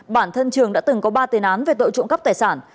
bản thân trường đã từng có ba tiền án về tội trộm cắp tài sản